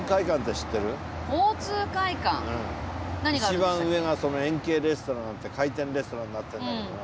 一番上が円形レストラン回転レストランになってるんだけども。